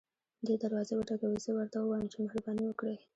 دی دروازه وټکوي زه ورته ووایم چې مهرباني وکړئ.